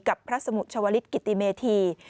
กับพระสมุชวลิศกิติเมธี